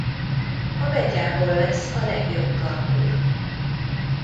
A betyárból lesz a legjobb pandúr.